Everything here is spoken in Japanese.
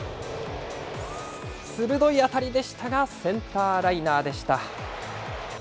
鋭い当たりでしたが、センターライナーでした。